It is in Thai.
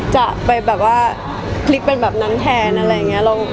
จะไปแบบว่าพลิกเป็นแบบนั้นแทนอะไรอย่างนี้